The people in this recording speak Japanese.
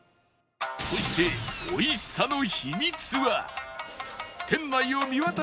そして美味しさの秘密は